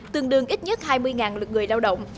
tương đương ít nhất hai mươi lực người lao động